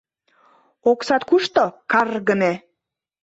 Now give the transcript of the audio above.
— Оксат кушто, кар-р-гыме!